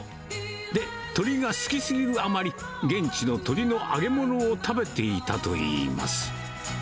で、鶏が好きすぎるあまり、現地の鶏の揚げ物を食べていたといいます。